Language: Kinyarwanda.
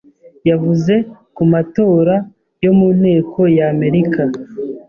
yavuze ku matora yo mu Nteko ya America